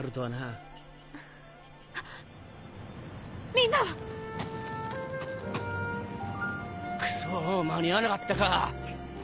みんなは⁉クソ間に合わなかったか。